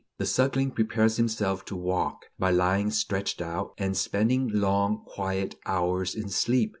The suckling "prepares himself to walk" by lying stretched out, and spending long, quiet hours in sleep.